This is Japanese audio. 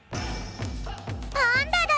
パンダだ！